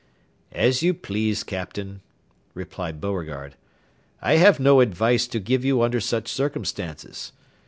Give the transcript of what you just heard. "As you please, Captain," replied Beauregard; "I have no advice to give you under such circumstances.